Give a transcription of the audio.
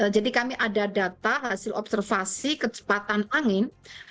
jadi kami ada data hasil observasi kecepatan angin